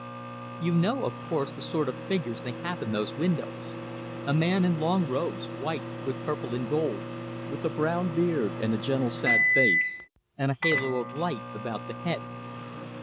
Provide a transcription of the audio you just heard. You know, of course, the sort of figures they have in those windows; a man in long robes, white, with purple and gold; with a brown beard, and a gentle, sad face, and a halo of light about the head.